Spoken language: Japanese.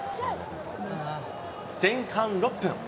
前半６分。